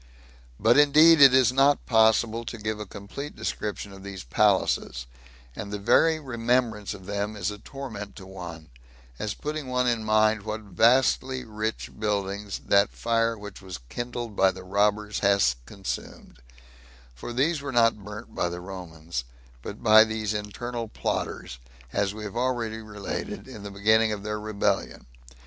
But indeed it is not possible to give a complete description of these palaces; and the very remembrance of them is a torment to one, as putting one in mind what vastly rich buildings that fire which was kindled by the robbers hath consumed; for these were not burnt by the Romans, but by these internal plotters, as we have already related, in the beginning of their rebellion.